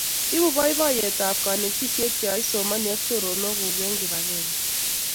Ibu boiboietab kanetisie ya isoman ak choronokuk eng' kibagenge